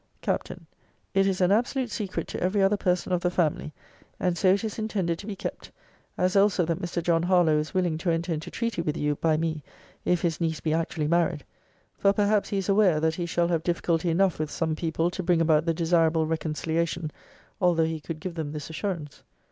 Capt. It is an absolute secret to every other person of the family; and so it is intended to be kept: as also that Mr. John Harlowe is willing to enter into treaty with you, by me, if his niece be actually married; for perhaps he is aware, that he shall have difficulty enough with some people to bring about the desirable reconciliation, although he could give them this assurance.